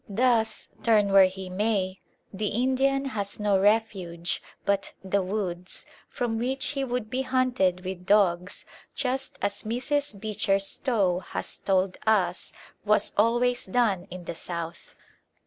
Thus, turn where he may, the Indian has no refuge but the woods, from which he would be hunted with dogs just as Mrs. Beecher Stowe has told us was always done in the South.